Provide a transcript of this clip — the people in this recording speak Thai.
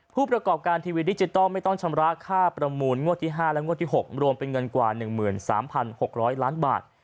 ผู้ประกอบการทีวีดิจิทัลไม่ต้องชำระค่าประมูลงวดที่๕และงวดที่๖รวมเป็นเงินกว่า๑๓๖๐๐ล้านบาท